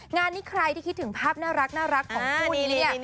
งานนี้ใครที่คิดถึงภาพน่ารักของคู่นี้เนี่ย